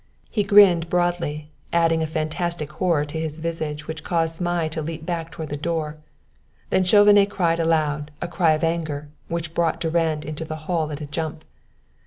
He grinned broadly, adding a fantastic horror to his visage which caused Zmai to leap back toward the door. Then Chauvenet cried aloud, a cry of anger, which brought Durand into the hall at a jump.